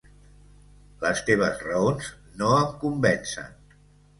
Les teves raons no em convencen.